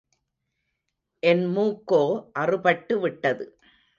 என் மூக்கோ அறுபட்டு விட்டது.